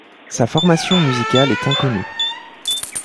Sa formation musicale est inconnue.